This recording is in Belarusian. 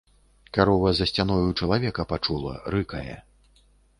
Карова за сцяною чалавека пачула, рыкае.